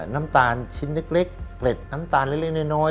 น้ำตาลชิ้นเล็กเกล็ดน้ำตาลเล็กน้อย